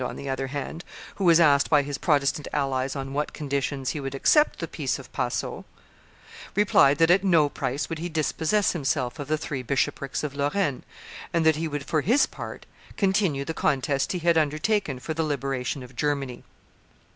on the other hand, who was asked by his Protestant allies on what conditions he would accept the peace of Passau, replied that at no price would he dispossess himself of the Three Bishoprics of Lorraine, and that he would for his part continue the contest he had undertaken for the liberation of Germany.